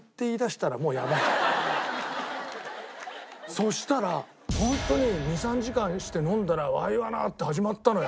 そうしたらホントに２３時間して飲んだら「ワイわな！」って始まったのよ。